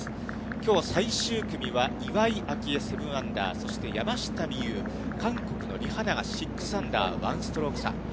きょうは最終組は岩井明愛７アンダー、そして、山下美夢有、韓国のリ・ハナが６アンダー、１ストローク差。